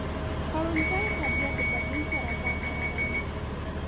کروندګر د طبیعت د بدلون سره ځان عیاروي